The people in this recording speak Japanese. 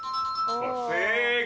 正解！